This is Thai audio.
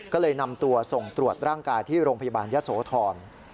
ก็เลยนำตัวส่งตรวจร่างกายที่โรงพยาบาลยะโสธร